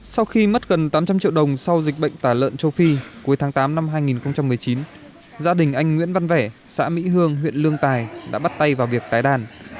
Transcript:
sau khi mất gần tám trăm linh triệu đồng sau dịch bệnh tả lợn châu phi cuối tháng tám năm hai nghìn một mươi chín gia đình anh nguyễn văn vẻ xã mỹ hương huyện lương tài đã bắt tay vào việc tái đàn